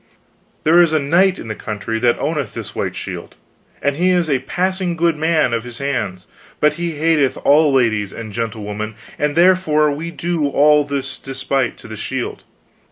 There is a knight in this country that owneth this white shield, and he is a passing good man of his hands, but he hateth all ladies and gentlewomen, and therefore we do all this despite to the shield.